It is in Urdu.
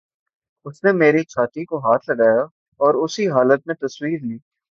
اس نے میری چھاتی کو ہاتھ لگایا اور اسی حالت میں تصویر لی